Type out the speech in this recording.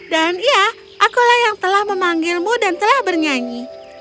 dan iya akulah yang telah memanggilmu dan telah bernyanyi